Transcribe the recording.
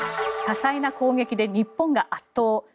多彩な攻撃で日本が圧倒。